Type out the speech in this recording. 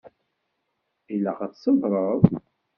Ilaq ad tṣebreḍ?